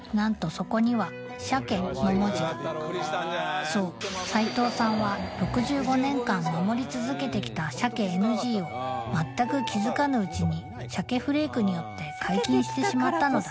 そこには「鮭」の文字がそう齊藤さんは６５年間守り続けてきた鮭ＮＧを全く気づかぬうちに鮭フレークによって解禁してしまったのだ